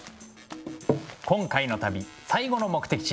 今回の旅最後の目的地